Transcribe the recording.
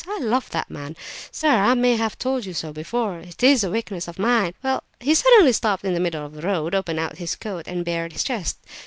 I love that man, sir; I may have told you so before; it is a weakness of mine. Well—he suddenly stopped in the middle of the road, opened out his coat and bared his breast.